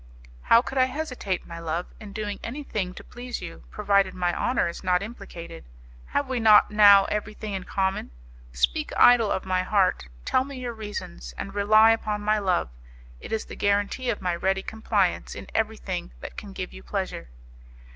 "How could I hesitate, my love, in doing anything to please you, provided my honour is not implicated? Have we not now everything in common? Speak, idol of my heart, tell me your reasons, and rely upon my love; it is the guarantee of my ready compliance in everything that can give you pleasure."